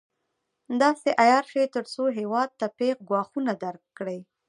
داسې عیار شي تر څو هېواد ته پېښ ګواښونه درک کړي.